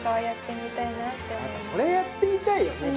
それやってみたいよね